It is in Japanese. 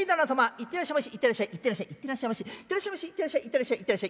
「行ってらっしゃいまし」。